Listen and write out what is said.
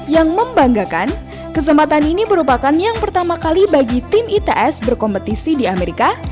yang membanggakan kesempatan ini merupakan yang pertama kali bagi tim its berkompetisi di amerika